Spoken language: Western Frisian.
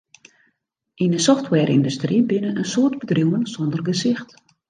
Yn 'e softwareyndustry binne in soad bedriuwen sonder gesicht.